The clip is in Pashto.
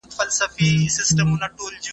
حکومت بايد عامه سوکالي رامنځته کړي.